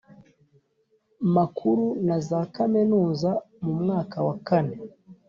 makuru na za kaminuza mu mwaka wa kane